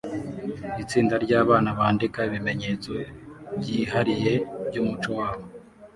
Itsinda ryabantu bandika ibimenyetso byihariye byumuco wabo